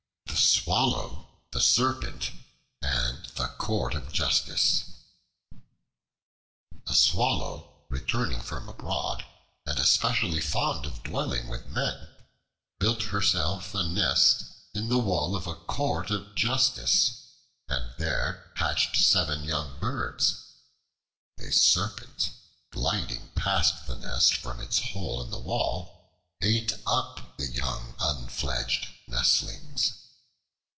The Swallow, the Serpent, and the Court of Justice A SWALLOW, returning from abroad and especially fond of dwelling with men, built herself a nest in the wall of a Court of Justice and there hatched seven young birds. A Serpent gliding past the nest from its hole in the wall ate up the young unfledged nestlings.